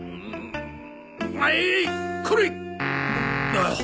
ああ。